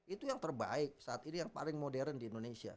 itu yang terbaik saat ini yang paling modern di indonesia